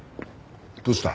どうした？